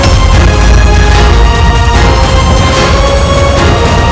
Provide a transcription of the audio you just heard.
aku akan menangkapmu